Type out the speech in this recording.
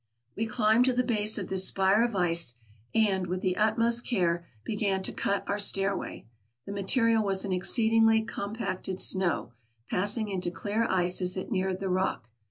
We climbed to the base of this spire of ice, and, with the utmost care, began to cut our stairway. The material was an exceedingly compacted snow, passing into clear ice as it neared the rock.